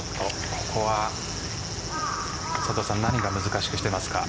ここは何が難しくしていますか？